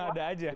ya ada aja